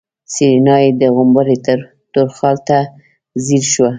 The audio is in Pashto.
سېرېنا يې د غومبري تور خال ته ځير شوه.